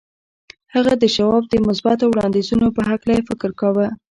هغه د شواب د مثبتو وړانديزونو په هکله يې فکر کاوه.